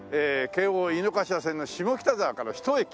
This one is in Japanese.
京王井の頭線の下北沢からひと駅。